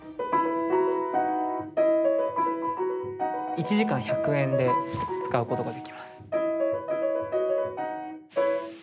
１時間１００円で使うことができます。